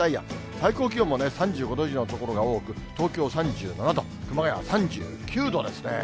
最高気温も３５度以上の所が多く、東京３７度、熊谷は３９度ですね。